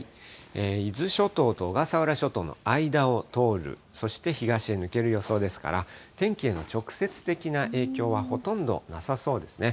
伊豆諸島と小笠原諸島の間を通る、そして東へ抜ける予想ですから、天気への直接的な影響はほとんどなさそうですね。